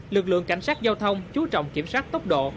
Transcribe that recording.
lực lượng cảnh sát giao thông chú trọng kiểm soát tốc độ